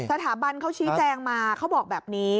สถาบันเขาชี้แจงมาเขาบอกแบบนี้